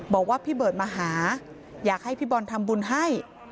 บอกว่าพี่เบิร์ตมาหาอยากให้พี่บอลทำบุญให้